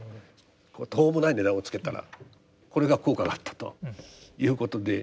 途方もない値段をつけたらこれが効果があったということで。